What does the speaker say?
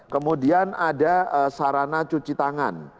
kemudian ada sarana cuci tangan